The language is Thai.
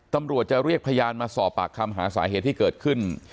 ตำรวจจะเรียกพยานมาสอบปากคำหาสาเหตุที่เกิดขึ้น